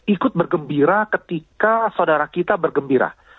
ikut bergembira ketika saudara kita bergembira